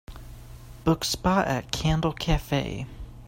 book spot at Candle Cafe